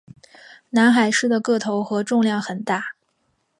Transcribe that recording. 南海狮的个头和重量很大。